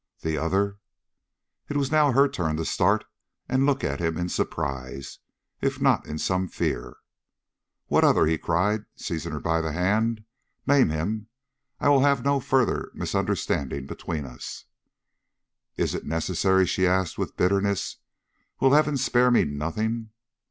"The other!" It was now her turn to start and look at him in surprise, if not in some fear. "What other?" he cried, seizing her by the hand. "Name him. I will have no further misunderstanding between us." "Is it necessary?" she asked, with bitterness. "Will Heaven spare me nothing?"